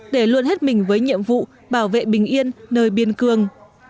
để luôn hết mình với nhiệm vụ bảo vệ bình yên nơi biên cương